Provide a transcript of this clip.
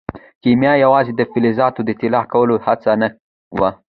کیمیا یوازې د فلزاتو د طلا کولو هڅه نه وه.